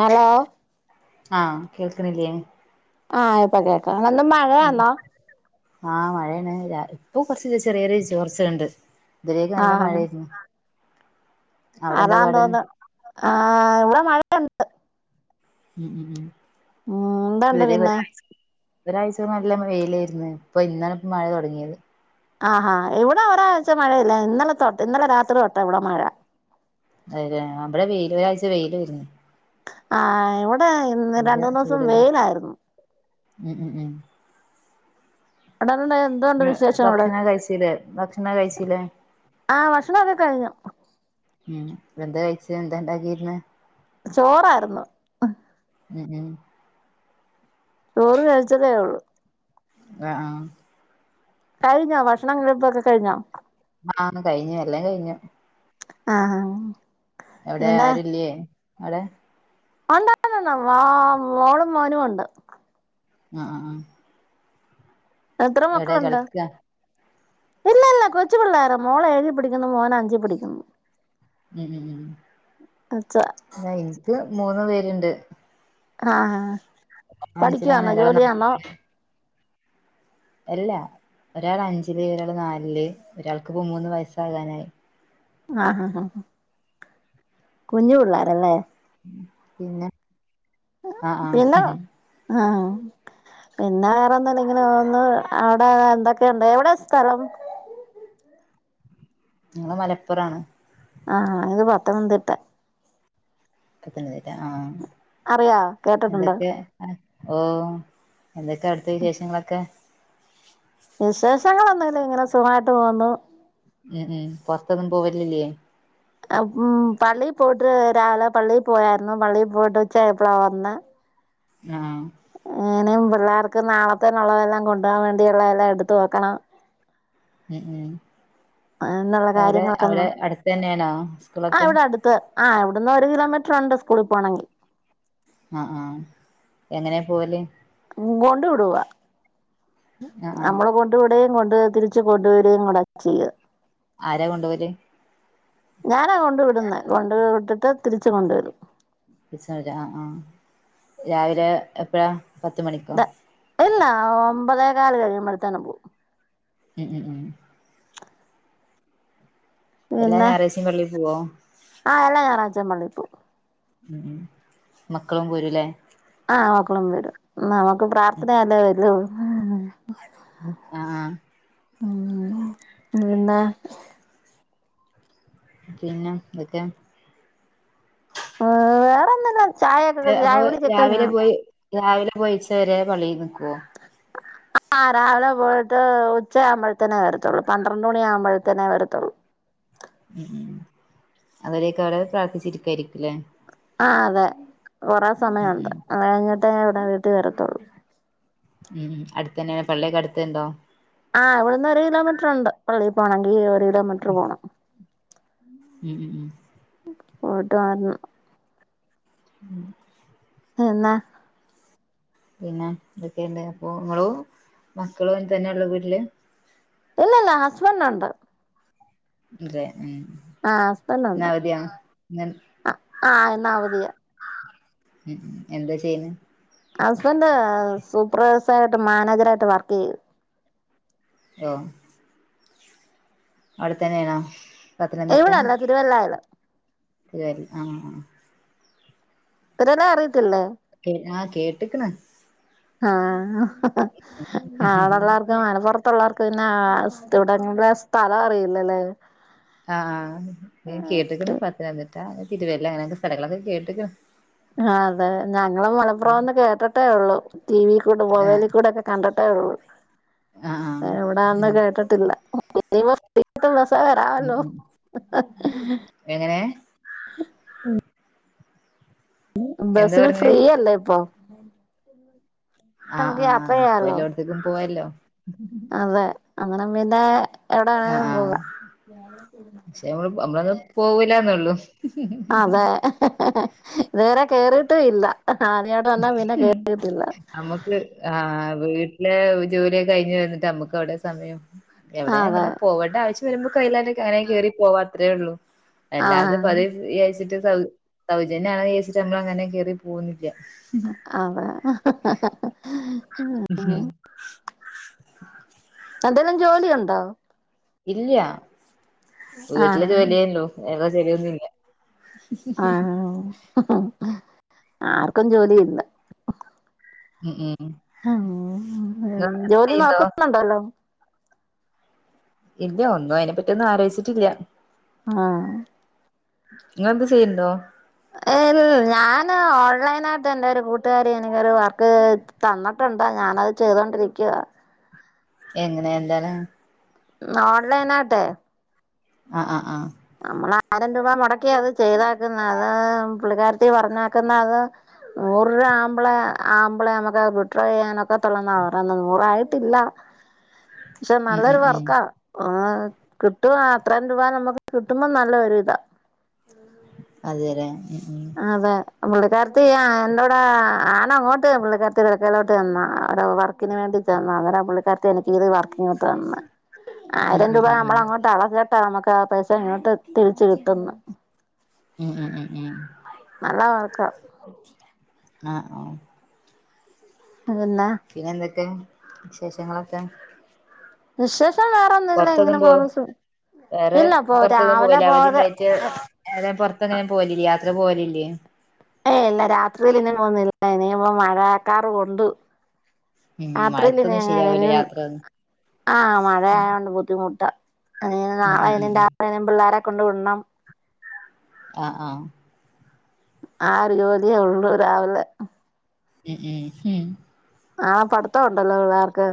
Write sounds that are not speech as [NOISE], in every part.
Hello ആഹ് കേൾക്കനില്ലേ ആഹ് ഇപ്പൊ കേക്കാം നല്ല മഴ ആഹ് മഴന്ന ഇപ്പൊ കൊറച്ച് ചെറിയരു കുറച്ചണ്ട് ഇവിടേം നല്ല മഴ ആയിരുന്നു അതാന്തോന്ന് ഉം ആഹ് ഇവിടെ മഴ [UNINTELLIGIBLE] ഉം എന്തുണ്ട് പിന്നെ ഒരാഴ്ച നല്ല വെയിലായിരുന്നു ഇപ്പൊ ഇന്നാണ് ഇപ്പ മഴ തുടങ്ങിയത് ആഹ് ആഹ് ഇവടെ ഒരാഴ്ച്ച മഴയില്ല ഇന്നലെ തൊട്ട് ഇന്നലെ രാത്രി തൊട്ട ഇവടെ മഴ അതെല്ലേ ഇവടെ വെയില ഒരാഴ്ച്ച വെയില് വര്ന്ന് ആഹ് ഇവിടെ രണ്ടുന്നോസം വെയിലായിരുന്നു. ഹ്മ്മ് ഹ്മ്മ് ഹ്മ്മ് [UNINTELLIGIBLE] എന്തുവാ ആഹ് ഭക്ഷണം കഴിച്ചില്ലേ ഭക്ഷണം കഴിച്ചില്ലേ ആഹ് ഭക്ഷണം ഒക്കെ കഴിഞ്ഞു. ഹ്മ്മ് എന്താ കഴിച്ചേ എന്താ ഇണ്ടാക്കിയിര്ന്നേ ചോറായിരുന്നു. ഹ്മ്മ് ഹ്മ്മ് ചോറ് കഴിച്ചതെ ഒള്ളൂ ആഹ് ആഹ് കഴിഞ്ഞോ ഭക്ഷണം കഴിപ്പൊക്കെ കഴിഞ്ഞോ ആഹ് കഴിഞ്ഞു എല്ലാം കഴിഞ്ഞു. ആഹ് ആഹ്. അവിടെ ആരുല്ലേ അവിടെ ഒണ്ട് ഒണ്ട് ഒണ്ട് വാ മോളും മോനും ഒണ്ട് ആഹ് ആഹ് ആഹ്. എത്ര എവിടെ മക്കളുണ്ട് കളിക്കാ ഇല്ല ഇല്ല കൊച്ചു പിള്ളേരാ മോളെഴിൽ പഠിക്കുന്നു മോൻ അഞ്ച് പഠിക്കുന്നു. ഹ്മ്മ് ഹ്മ്മ് അച്ച ഹ്മ്മ്, എനിക്ക് മൂന്ന് പേരുണ്ട് ആഹ് ആഹ് അഞ്ചിലാണ് പഠിക്കുവാന്നോ ഒരാൾ നാ ജോലിയാന്നോ അല്ല ഒരാള് അഞ്ചില് ഒരാള് നാലില് ഒരാൾക്ക് ഇപ്പോ മൂന്ന് വയസാവാനായി ആഹ് ആഹ് ആഹ് കുഞ്ഞു പിള്ളേരല്ലേ പിന്നെ ആഹ് പിന്നെ ആഹ് ആഹ് പിന്നെ വേറെ എന്തെല്ലാം ഇങ്ങനെ ഒന്ന് അവടെ എന്തൊക്കെയുണ്ട് എവ്ടെ സ്ഥലം ഞങ്ങള് മലപ്പുറാണ്. ആഹ് ആഹ് എന്റെത് പത്തനംതിട്ട. പത്തനംതിട്ട, ആഹ് അറിയാവോ കേട്ടിട്ടുണ്ടോ എന്തൊക്കെ ഓഹ് എന്തൊക്കെ അടുത്ത വിശേഷങ്ങളൊക്കെ വിശേഷങ്ങളൊന്നില്ല ഇങ്ങനെ സുഖായിട്ട് പോകുന്നു. ഹ്മ്മ് പൊറത്തൊന്നും പോവലില്ലേ ഹ്മ്മ് പള്ളി പോട്ട് രാവിലെ പള്ളി പോയായിരുന്നു പള്ളി പോട്ട് ഉച്ചായപ്പളാ വന്നെ ആഹ് എങ്ങനിം പിള്ളേർക്ക് നാളെത്തേനുള്ളതെല്ലാം കൊണ്ടാവാൻ വേണ്ടിയുള്ളതെല്ലാം എടുത്ത് വെക്കണം ഹ്മ്മ്, എന്നുള്ള എവടെ കാര്യങ്ങളൊക്കെ ഒന്ന് അവടെ അടുത്തെന്നെണോ സ്കൂളൊക്കെ ആഹ് ഇവട്ന്ന് ഒര് കിലോമീറ്ററ്ണ്ട് സ്കൂളിൽ പോണെങ്കി ആഹ് ആഹ് എങ്ങനെ പോവല് കൊണ്ട് വിടുവാ, ആഹ് ആഹ് നമ്മള് കൊ ഇവടെയും കൊണ്ട് തിരിച്ച് കൊണ്ട് വരുകയും കൂടെയാ ചെയ്യാ ആരാ കൊണ്ടോവല് ഞാനാ കൊണ്ട് വിടുന്നെ കൊണ്ട് വിട്ടിട്ട് തിരിച്ചു കൊണ്ടരും. ആഹ് ആഹ് രാവിലെ എപ്പഴാ പത്ത് മണിക്കോ ഇത ഇല്ല ഒമ്പതേ കാല് കഴിയുമ്പഴത്തന പോവും ഉം ഉം ഉം എല്ലാം ഞായാറാഴ്ച്ചിംപള്ളി പോവോ ആഹ് എല്ലാ ഞായറാഴ്ച്ചിം പള്ളിയിൽ പോകും ഉം മക്കളും പോരുല്ലേ ആഹ് മക്കളും വരും നമുക്ക് പ്രാർത്ഥന അല്ലേ വരൂ [UNINTELLIGIBLE] ആഹ് ആഹ് പിന്നെ പിന്നെ ന്തൊക്കെ വേറെ എന്തെല്ല ചായൊക്കെ ചായ അപ്പൊ കുടി കഴിഞ്ഞോ രാവിലെ പോയി രാവിലെ പോയിച്ചവരെ പളളിയിൽ നിക്കോ [INAUDIBLE] ആ രാവിലെ പോയിട്ട് ഉച്ച ആമ്പോഴത്തനേ വരത്തുള്ളൂ പന്ത്രണ്ട് മണി ആകുമ്പോഴത്തനേ വരത്തുള്ളൂ ഉം അത് വരെക്കെരംഅവിടെ പ്രാർത്ഥിച്ചിരിക്കായിരിക്കല്ലേ ആ അതെ കുറെ ഉം സമയുണ്ട് ഉം അത് കഴിഞ്ഞിട്ടേ ഇവിടെ വീട്ടിൽ വരത്തുള്ളൂ ഉം അടുത്തന്നെ പള്ളിയൊക്കെ അടുത്തുണ്ടോ ആഹ് ഇവിടുന്ന് ഒരു കിലോമീറ്റർണ്ട് പള്ളിൽ പോണങ്കിൽ ഒരു കിലോമീറ്റർ പോണം ഉം ഉം ഉം [UNINTELLIGIBLE] [INAUDIBLE] എന്നാ പിന്നെ എന്തെക്കെയുണ്ട് അപ്പോങ്ങളും മക്കളും അയി തന്നെ ഉള്ള് വീട്ടില് ഇല്ല ഇല്ല ഹസ്ബൻ്റെുണ്ട് അതെ ഉം ആ ഇന്നവധിയാ ആഹ് ഇന്നവധിയാ ഉം എന്താ ചെയ്യുന്ന ഹസ്‌ബൻ്റ്സൂപ്പർവൈസറായിട്ട് മാനേജർ ആയിട്ട് വർക്ക് ചെയ്യാ [UNINTELLIGIBLE] അവിടെത്തന്നെണോ പത്തനംതിട്ട ഒരു കൊല്ലായാല്ലോ [UNINTELLIGIBLE] അ ആഹ് തിരു വെല്ല അറിയത്തില്ലേ ആഹ് കേട്ട്ക്ക്ണ് ആഹ് ആണല്ലാർക് മലപ്പുറത്തുള്ളവർക്ക് പിന്നെ സ്ഥി വിടെങ്ങളിലെ സ്ഥലം അറിയില്ലല്ലേ ആഹ് ഞാൻ കേട്ടേക്കണ് ആഹ് പത്തനംതിട്ട തിരുവല്ല അങ്ങനെക്കെ സ്ഥലകളൊക്കെ കെട്ടേക്കണ് ആഹ് അതെ ഞങ്ങളും മലപ്പുറം എന്ന് കേട്ടട്ടേ ഉള്ളു ടിവിൽ കൂടെ ആഹ് മൊബൈലിൽ കൂടെക്കെ കണ്ടിട്ടേ ഉള്ളൂ ആഹ് എവിടാന്ന് ഉം കേട്ടിട്ടില്ല [UNINTELLIGIBLE] ബസെ ഉം വരാലോ ഉം എങ്ങനെ എന്താ ബസ്സില് പറഞ്ഞേ ഫ്രീയല്ലേ ഇപ്പൊ ആഹ് നമുക്ക് യാത്ര ആഹ് ഇപ്പോ ചെയ്യാലോ എല്ലോടാത്തേക്കും പോവല്ലോ അതെ അങ്ങനം പിന്നെ ആഹ് എവിടെവേണേലും ആഹ് പോകാം പക്ഷെ നമ്മള് നമ്മളൊന്നും പോവൂലാന്നുള്ളു അതെ ഇതുവരെ കേയറിട്ടും ഇല്ല ആദ്യായിട്ട് വന്നാ പിന്നെ ഉം കേറിയിട്ടില്ല നമ്മുക്ക് ആഹ് വീട്ടിലെ ജോലിയൊക്കെ കഴിഞ്ഞ് വന്നിട്ട് നമ്മുക്ക് എവിടെയാ സമയം എവിടെ അതെ അങ്ങനെ പോകേണ്ട ആവശ്യം വരുമ്പോ [UNINTELLIGIBLE] കാറെ കയറി പോവാ അത്രേ ഉള്ളൂ അല്ലാതെ ആഹ് പതിവ വിചാരിച്ചിട്ട് സൗ സൗജന്യമായിന്ന് വിചാരിച്ചിട്ട് നമ്മൾ അങ്ങനെ കേറി പോന്നി ല്ല മ്ഹ് അവ [UNINTELLIGIBLE] എന്തേലും ജോലി ഒണ്ടോ ഇല്ല്യ വീട്ടില്ല് ആഹ് ജോലിയെ ഒള്ളൂ വേറെ ജോലിയൊന്നുല്ല ആഹ് ആർക്കും ജോലി ഇല്ല ഉം ഉം ഉം ഇങ്ങളെന്തെങ്കിലും ജോലി ചെയ്യ്ണ്ടോ നോക്കുന്നുണ്ടോ വല്ലോം ഇല്ല ഒന്നും അയിനെ പറ്റിയൊന്നും ആലോചിച്ചിട്ടില്ല ആഹ് ഇങ്ങളെന്ത് ചെയ്യണ്ടോ ഏൽ ഞാന് ആഹ് ഓൺലൈൻ ആയിട്ട് എന്റെ ഒരു കൂട്ടുകാരി എനിക്കൊരു വർക്ക് തന്നിട്ടുണ്ട് ഞാനത് ചെയ്തോണ്ടിരിക്കുവാ എങ്ങനെ എന്താണ് ഓൺലൈൻ ആയിട്ടേ ആഹ് ആഹ് ആഹ് നമ്മള് ആയിരം രൂപ മുടക്കിയാ അത് ചെയ്‌തേക്കുന്നെ പുള്ളിക്കാരത്തി പറഞ്ഞേക്കുന്നെ അത് നൂറ് രൂപ ആമ്പാളെ അമ്പാളെ നമുക്ക് അത് വിഡ്രോ ചെയ്യാനോക്കത്തോള്ളാന്നാ പറയുന്നത് നൂറ് ആയിട്ടില്ല [INAUDIBLE] പക്ഷെ ഉം നല്ലൊരു ഉം ഉം വർക്കാ ആഹ് കിട്ടും അത്രയും രൂപ നമുക്ക് കിട്ടുമ്പോ നല്ല ഒരു ഇതാ അതെലെ ഉം അതെ പുള്ളിക്കാർത്തി ആഹ് എന്നോട് ഞാന് അങ്ങോട്ട് പുള്ളിക്കാർത്തിടെ അടുക്കലോട്ട് ചെന്നയാ അവിടെ വർ ഇതിന് വേണ്ടി ചെന്നെയാ അന്നേരം പുള്ളിക്കാരിത്തി എനിക്ക് ഇത് വർക്കിങ്ങ് തന്ന് ആയിരം ഉം ഉം രൂപ ഉം ഉം നമ്മള് അങ്ങോട്ട് അടച്ചിട്ടാ നമ്മുക്ക് ആഹ് പൈസ ഇങ്ങോട്ട് തിരിച്ച് കിട്ടുന്നേ ഉം ഉം ഉം ഉം നല്ല വർക്കാ ആഹ് ആഹ് അതെന്നാ പിന്നെ എന്തൊക്കെ വിശേഷങ്ങളൊക്കെ വിശേഷം വേറോന്നുല്ല ഇങ്ങനെ പൊറത്തൊന്നും പോ പോന്ന് സുഖ ഇല്ല രാവിലെ പോകാതെ പുറത്ത് അങ്ങനെ പോവല് ഇല്ലേ യാത്ര പോവലില്ലേ ഏയ് ഇല്ല രാത്രിയിൽ ഇന്ന് പോന്നില്ല ഇനിയിപ്പോ മഴക്കാറ് കൊണ്ടു ഉം [UNINTELLIGIBLE] മഴത്തൊന്നും ശരിയാവൂല ഞാൻ യാത്രയൊന്നും ആഹ് മഴ ആയതോണ്ട് ബുദ്ധിമുട്ട അങ്ങനെ ഇനി ഉം നാളെ ഉം ഉം ഇനിം ഉം രാത്രീ പിള്ളേരെ കൊണ്ട് വിടണം ആഹ് ആഹ് ആ ഒരു ജോലിയേ ഉള്ളു രാവിലെ ഉം ഉം ഉം ആഹ് പഠിത്തം ഉണ്ടല്ലോ പുള്ളാർക്ക്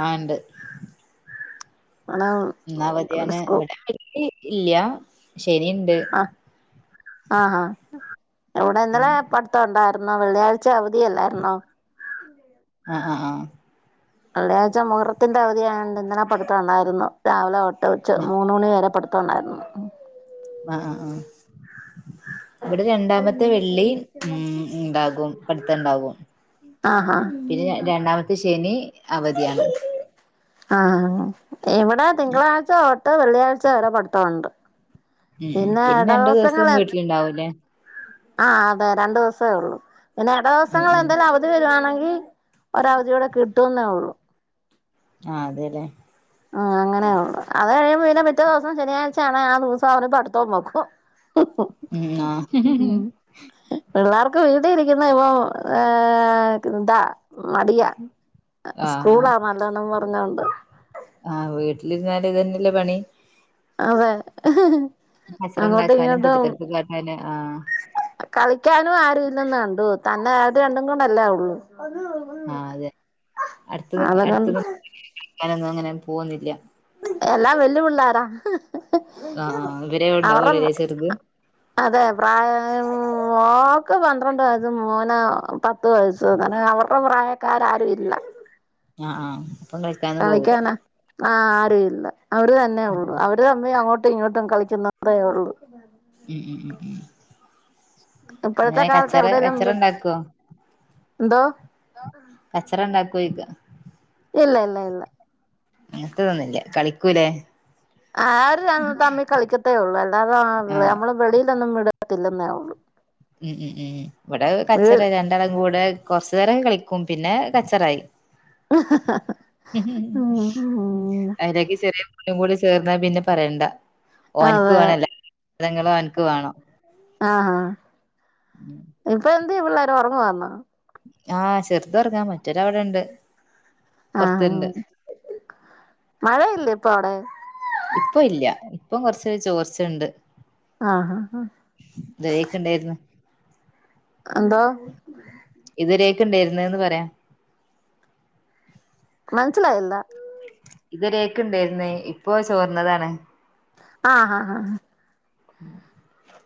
ആഹ് ഇണ്ട് [UNINTELLIGIBLE] ഇന്ന് അവധിയാണ് സ്കൂ ഇവിടെ ഇല്ല്യ ശരിയ്ണ്ട് ആഹ് ആഹ് ആഹ് ഇവിടെ ഇന്നലെ ഉം പ ത്തം ഒണ്ടാരുന്നോ വെള്ളിയാഴ്ച അവധിയല്ലാരുന്നോ ആഹ് ആഹ് ആഹ് വെള്ളിയാഴ്ച മുഹറത്തിന്റെ അവധിയായോണ്ട് ഇന്നലെ പഠിത്തവൊണ്ടായിരുന്നു രാവിലെ ഓട്ട് ഉച്ച മൂന്ന് ആഹ് മണി വരെ പഠിത്തവൊണ്ടാരുന്നു ആഹ് ആഹ് ആഹ് ഇവിടെ രണ്ടാമത്തെ വെള്ളി ഉം ഉണ്ടാകും പഠിത്തുണ്ടാകും ആഹാ പിന്നെ രണ്ടാമത്തെ ശനി അവധിയാണ് ആഹ് ഇവിടെ തിങ്കളാഴ്ച ഓട്ട് വെള്ളിയാഴ്ച വരെ പഠിത്തമുണ്ട് ഉം പിന്നെ രണ്ടു ദിവസം വീട്ടിലിണ്ടാവൂല്ലേ ആഹ് അതെ രണ്ടു ദിവസേ ഉള്ളു പിന്നെ എട ഉം ദിവസങ്ങൾ ഉം എന്തെലും അവ ധി വരുവാണെങ്കിൽ ഒരവധി കൂടെ കിട്ടുവെന്നേ ഉള്ളൂ ആഹ് അതെല്ലേ ആഹ് അങ്ങനേ ഉള്ളു അത് കഴിയുമ്പോ പിന്നെ പിറ്റേ ദിവസം ശനിയാഴ്ച ആണെ ആ ദിവസം അവര് പഠിത്തോം വെക്കും ഒപ്പ ഉം ആഹ് പിള്ളാർക്ക് വീട്ടി ഇരിക്കുന്ന ഇപ്പൊ ഏ എന്താ മടിയാ ആഹ് സ്കൂളാ നല്ലതെന്നും പറഞ്ഞോണ്ട് ആഹ് വീട്ടിലിരുന്നാല് ഇത് തന്നെല്ലേ പണി അതേ കച്ചറേണ്ടാക്കാനും പൊട്ടിത്തെറുപ്പ് കാട്ടാനും ആഹ് കളിക്കാനും ആരും ഇല്ലെന്നു കണ്ടൂ തന്നെ അത് രണ്ടും കൂടല്ലേ ഉള്ളു ആഹ് അതെ അടുത്ത അടുത്തൊന്നും അതുകൊണ്ട് കളിക്കാനൊന്നും അങ്ങനെ പോവൊന്നില്ല എല്ലാം വല്യ പിള്ളാരാ ആഹ് ആഹ് ഇവരെ ഉണ്ടാവുവടേ ചെറുത് അതെ പ്രായവായ മോക്ക് പന്ത്രണ്ട് വയസ് മോന് പത് ത്ത് വയസും അങ്ങനെ അവരുടെ പ്രായക്കാരാരും ഇല്ല ആഹ് ആഹ് ഒപ്പം കളിക്കാനൊന്നും പോവൂല കളിക്കാനാ ആരും ഇല്ല അവര് തന്നേ ഉള്ളു അവര് തമ്മീ അങ്ങോട്ടും ഇങ്ങോട്ടും കളിക്കുന്നതേ ഉള്ളൂ ഉം ഉം ഉം ഉം ഇപ്പോഴത്തെ എങ്ങനെ കാലത്ത് കച്ചറേ കച്ചറേണ്ടാക്കുവോ ന്തോ കച്ചറ ഉണ്ടാക്കോയിക്ക ഇല്ല ഇല്ല ഇല്ല അങ്നത്തതൊന്നൂല്ല കളിക്കൂലേ ആഹ് അവര് തമ്മി തമ്മി കളിക്കത്തേ ഉള്ളു അല്ലാതെ ആഹ് നമ്മള് വെളിയിലൊന്നും വിടത്തില്ലെന്നേ ഉള്ളു ഉം ഉം ഉം ഇവിടെ വീ കച്ചറേ രണ് ണ്ടാളുംകൂടെ കുറച്ചു നേരം കളിക്കും പിന്നെ കച്ചറായി ഉം ഉം അനക്ക് ചെറിയ ഓനും കൂടി ചേർന്നാ പിന്നെ പറയണ്ട ഓന്ക്ക് അതെ വേണല്ലാം സാദനങ്ങളും അവന്ക്ക് വേണം ആഹ് ആഹ് ഉം ഇപ്പൊ എന്ത്യേ പിള്ളേര് ഒറങ്ങുവാന്നോ ആഹ് ചെറുതൊറങ്ങാ മറ്റോരവ്ടെണ്ട് ആഹ് ആഹ് മഴയില്ലേ ഇപ്പൊ അവിടെ ഇപ്പ ഇല്ല ഇപ്പം കുറച്ച് ചോർച്ചയുണ്ട് ആഹ് ആഹ് ഉണ്ടായിരുന്നു എന്താ ഇതുവരെയൊക്കെ ഉണ്ടായിരുന്ന് പറയാം മനസിലായില്ല ഇതവരൊക്കെ ഉണ്ടായിരുന്നേ ഇപ്പോ ചോർന്നതാണ് ആഹ് ആഹ് ആഹ്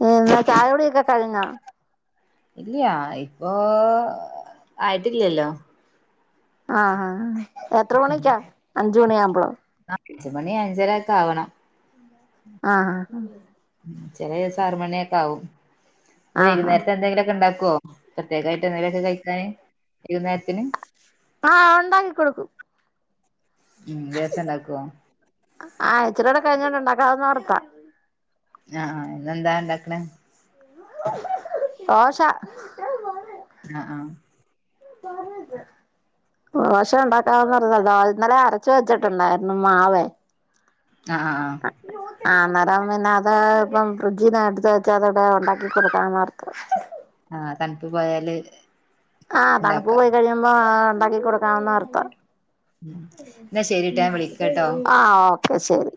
ഏന്നാ ചായകുടിയൊക്കെ കഴിഞ്ഞോ ഇല്ല്യാ ഇപ്പൊ ആയിട്ടില്ലല്ലോ ആഹ് ആഹ് എത്ര മണിക്കാ അഞ്ച് മണിയാമ്പോളോ അഞ്ച മണി അഞ്ചര ഒക്കെ ആവണം ആഹ് ചെല ദിവസം ആറ് മണിയൊക്കെ ആകും ആഹ് ആഹ് വൈകുന്നേരത്തെ എന്തെങ്കിലുക്കെ ഉണ്ടാക്കുവോ പ്രേത്യേകായിട്ട് എന്തേലൊക്കെ കഴിക്കാന് വൈകുന്നേരത്തിന് ആഹ് ഉണ്ടാക്കി കൊടുക്കും ഉം ദേവസം ഉണ്ടാക്കോ ആഹ് ഇച്ചിരോടെ കഴിഞ്ഞിട്ട് ഇണ്ടാക്കാവന്ന് ഓർത്ത ആഹ് ഇന്നെന്താ ഉണ്ടാക്കണേ ദോശ [UNINTELLIGIBLE] ആഹ് ആഹ് പറ [UNINTELLIGIBLE] ദോശ ഉണ്ടാക്കാവന്നോർത്ത ഇന്നലെ അരച്ച് വെച്ചിട്ടുണ്ടായിരുന്നു മാവ് ആഹ് ആഹ് ആഹ് ഉ [UNINTELLIGIBLE] ആന്നേരം പിന്നെ അത് ഇപ്പം ഫ്രിഡ്ജിന് എടുത്ത് വെച്ചാ അതവിടെ ഉണ്ടാക്കി കൊടുക്കാന്നോർത്ത് ആഹ് തണുപ്പ് പോയാല് ആഹ് തണുപ്പ് ഉണ്ടാക്കാം പോയി കഴിയുമ്പോ ഉണ്ടാക്കി കൊടുക്കാന്നോർത്ത എന്നാ ശരിട്ടാ ഞാൻ വിളിക്കാട്ടോ ആഹ് ഓക്കെ ശരി